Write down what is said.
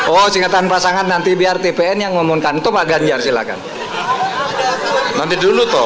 oh singkatan pasangan nanti biar tpn yang ngomongkan top aganjar silakan nanti dulu toh